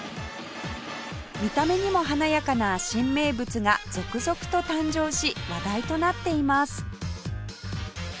見た目にも華やかな新名物が続々と誕生し話題となっています